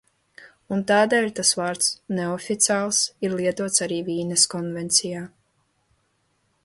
"Un tādēļ tas vārds "neoficiāls" ir lietots arī Vīnes konvencijā."